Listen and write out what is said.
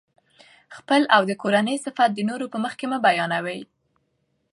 خپل او د کورنۍ صفت دي د نورو په مخکي مه بیانوئ!